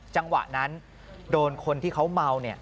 จังหวะนั้นโดนคนที่เขาเมา